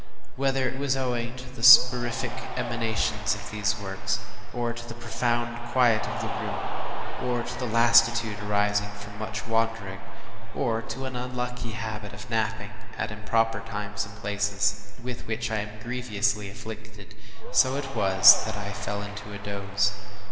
Whether it was owing to the soporific emanations for these works; or to the profound quiet of the room; or to the lassitude arising from much wandering; or to an unlucky habit of napping at improper times and places, with which I am grievously afflicted, so it was, that I fell into a doze.